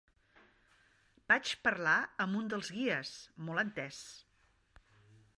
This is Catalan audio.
Vaig parlar amb un dels guies, molt entès.